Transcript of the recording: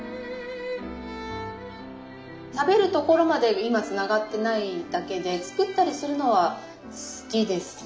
食べるところまで今つながってないだけで作ったりするのは好きですね。